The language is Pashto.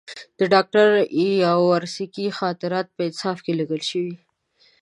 د ډاکټر یاورسکي خاطرات په انصاف لیکل شوي.